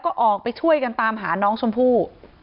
ที่มีข่าวเรื่องน้องหายตัว